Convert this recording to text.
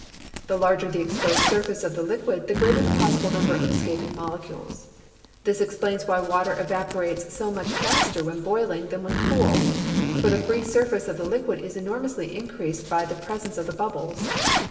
The larger the exposed surface of the liquid the greater the possible number of escaping molecules. This explains why water evaporates so much faster when 42 PHYSICS boiling than when cool, for the free surface of the liquid is enormously increased by the presence of the bubbles.